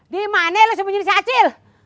dimana lo sembunyi si acil